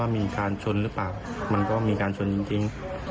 มีการชนหรือเปล่ามันก็มีการชนจริง